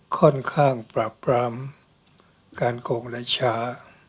ค่อนข้างปราบปรามการโกงและช้า